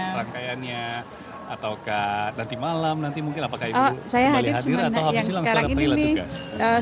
perangkaiannya atau nanti malam nanti mungkin apakah ibu kembali hadir atau habis itu langsung kembali latuh gas